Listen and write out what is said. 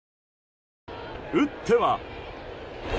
打っては。